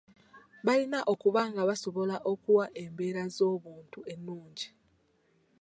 Balina okuba nga basobola okuwa embeera z'obuntu ennungi.